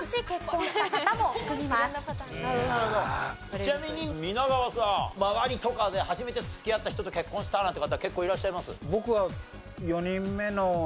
ちなみに皆川さん周りとかで初めて付き合った人と結婚したなんて方結構いらっしゃいます？